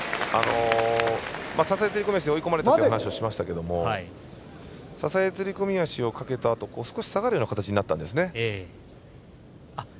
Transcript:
支え釣り込み足で追い込まれたという話をしましたけど支え釣り込み足をかけたあと少し下がるような形になったんです。